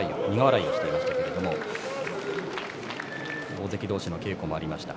大関同士の稽古もありました。